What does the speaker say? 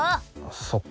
そっか。